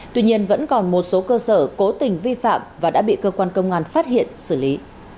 tuy nhiên vẫn còn một số cơ sở cố tình vi phạm và đã bị cơ quan công an phát hiện xử lý